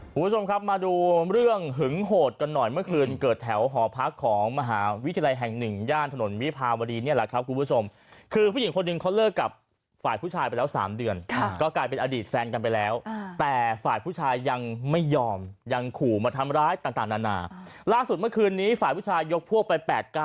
คุณผู้ชมครับมาดูเรื่องหึงโหดกันหน่อยเมื่อคืนเกิดแถวหอพักของมหาวิทยาลัยแห่งหนึ่งย่านถนนวิภาวดีเนี่ยแหละครับคุณผู้ชมคือผู้หญิงคนหนึ่งเขาเลิกกับฝ่ายผู้ชายไปแล้วสามเดือนค่ะก็กลายเป็นอดีตแฟนกันไปแล้วแต่ฝ่ายผู้ชายยังไม่ยอมยังขู่มาทำร้ายต่างต่างนานาล่าสุดเมื่อคืนนี้ฝ่ายผู้ชายยกพวกไป๘๙